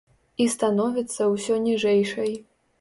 І становіцца ўсё ніжэйшай.